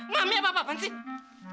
mami apa apaan sih